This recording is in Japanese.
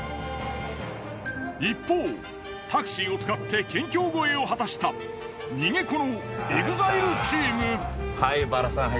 一方タクシーを使って県境越えを果たした逃げ子のＥＸＩＬＥチーム。